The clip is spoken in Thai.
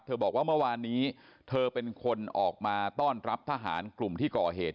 บอกว่าเมื่อวานนี้เธอเป็นคนออกมาต้อนรับทหารกลุ่มที่ก่อเหตุ